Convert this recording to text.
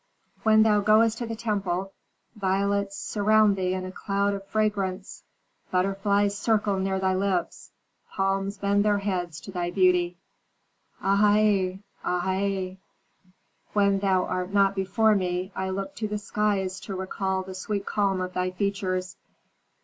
"When thou goest to the temple, violets surround thee in a cloud of fragrance, butterflies circle near thy lips, palms bend their heads to thy beauty." "Áha ā! áha ā! " "When thou art not before me, I look to the skies to recall the sweet calm of thy features.